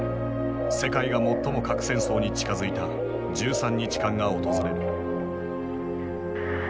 世界が最も核戦争に近づいた１３日間が訪れる。